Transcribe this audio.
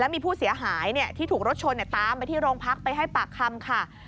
มีผู้เสียหายที่ถูกรถชนตามไปที่โรงพักไปให้ปากคำค่ะ